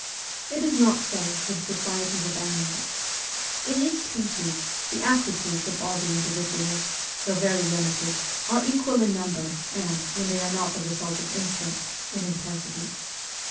It is not so with societies of animals. In every species, the aptitudes of all the individuals though very limited are equal in number and (when they are not the result of instinct) in intensity.